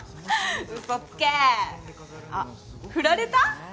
ウソつけーあっフラれた？